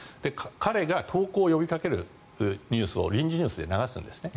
彼が投降を呼びかけるニュースを臨時ニュースで流すんですね。